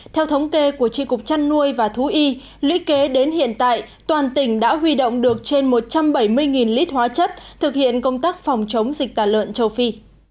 theo thống kê của tri cục chăn nuôi và thú y lý kế đến hiện tại toàn tỉnh đã huy động được trên một trăm bảy mươi lít hóa chất thực hiện công tác phòng chống dịch tả lợn châu phi